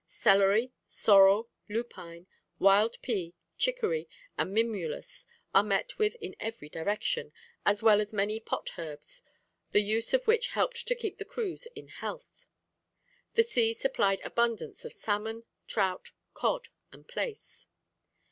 Celery, sorrel, lupine, wild pea, chicory, and mimulus are met with in every direction, as well as many pot herbs, the use of which helped to keep the crews in health. The sea supplied abundance of salmon, trout, cod, and plaice.